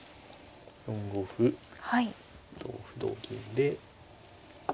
４五歩同歩同銀で。